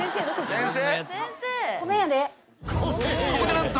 先生。